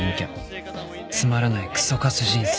つまらないクソカス人生